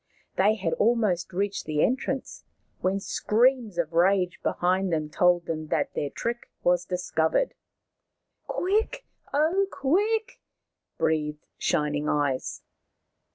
They had almost reached the entrance when screams of rage behind them told them that their trick was discovered. " Quick, oh, quick !" breathed Shining Eyes.